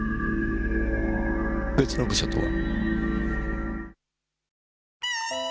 別の部署とは？